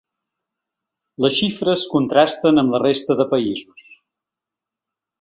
Les xifres contrasten amb la resta de països.